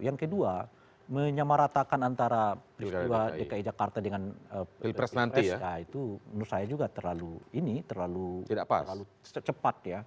yang kedua menyamaratakan antara dki jakarta dengan bpres itu menurut saya juga terlalu cepat